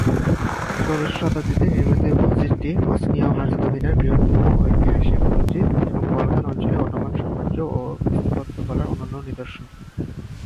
ষোড়শ শতাব্দীতে নির্মিত এই মসজিদটি বসনিয়া ও হার্জেগোভিনার বৃহত্তম ঐতিহাসিক মসজিদ এবং বলকান অঞ্চলে অটোম্যান সাম্রাজ্য ও স্থাপত্যকলার অনন্য নিদর্শন।